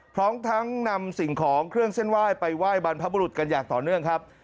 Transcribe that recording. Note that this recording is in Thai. พร้อมทั้งนำสิ่งของเครื่องเส้นไหว้ไปไหว้บรรพบุรุษกันอย่างต่อเนื่องครับ